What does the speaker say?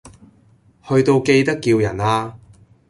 去到記得叫人呀